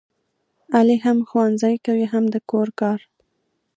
علي هم ښوونځی کوي هم د کور کار.